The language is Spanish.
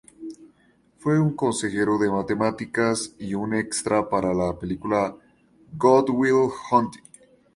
Fue un consejero de matemáticas y un extra para la película Good Will Hunting.